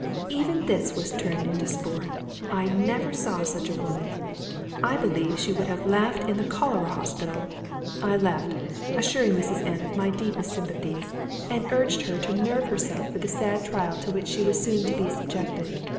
"Even this was turned into sport. I never saw such a woman. I believe she would have laughed in a cholera hospital. I left, assuring Mrs. N of my deepest sympathies, and urged her to nerve herself for the sad trial to which she was so soon to be subjected.